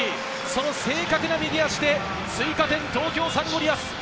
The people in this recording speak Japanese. その正確な右足で追加点、東京サンゴリアス。